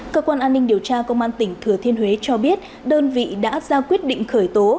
cơ quan an ninh điều tra công an tỉnh thừa thiên huế cho biết đơn vị đã ra quyết định khởi tố